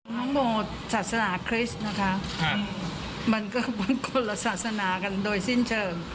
ทั้งหมดศาสนาคริสต์นะคะมันก็เป็นคนละศาสนากันโดยสิ้นเชิง